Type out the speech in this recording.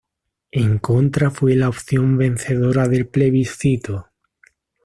En contra fue la opción vencedora del plebiscito.